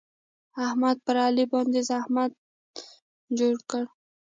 احمد پر علي باندې زحمت جوړ کړ.